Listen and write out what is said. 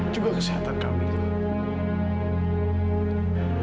juga kesehatan camilla